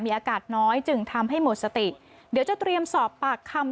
อากาศน้อยจึงทำให้หมดสติเดี๋ยวจะเตรียมสอบปากคำ